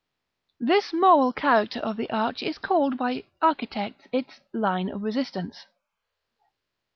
This moral character of the arch is called by architects its "Line of Resistance."